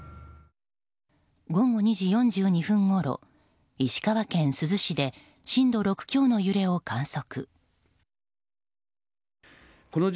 午後２時４２分ごろ石川県珠洲市で震度６強の揺れを観測。